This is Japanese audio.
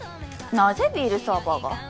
なぜビールサーバーが？